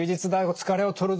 疲れを取るぞ。